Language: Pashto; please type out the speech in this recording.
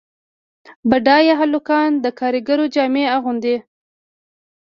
بډایه هلکان د کارګرو جامې اغوندي.